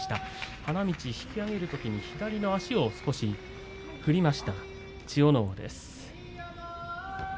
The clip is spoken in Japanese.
花道を引き揚げるときに少し左の足を振りました千代ノ皇です。